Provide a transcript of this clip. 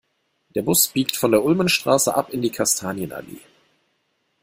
Der Bus biegt von der Ulmenstraße ab in die Kastanienallee.